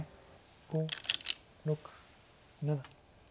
５６７。